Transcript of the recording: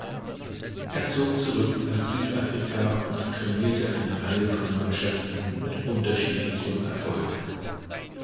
Er zog zurück nach Südafrika und trainierte eine Reihe von Mannschaften mit unterschiedlichem Erfolg.